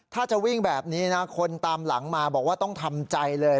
ถ้าจะวิ่งแบบนี้นะคนตามหลังมาบอกว่าต้องทำใจเลย